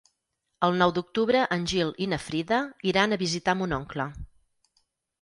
El nou d'octubre en Gil i na Frida iran a visitar mon oncle.